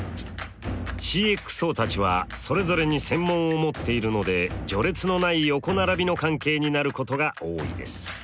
ＣｘＯたちはそれぞれに専門を持っているので序列のない横並びの関係になることが多いです。